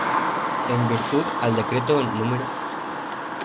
En virtud al decreto nro.